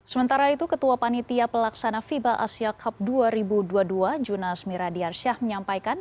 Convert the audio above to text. sementara itu ketua panitia pelaksana fiba asia cup dua ribu dua puluh dua junas miradiarsyah menyampaikan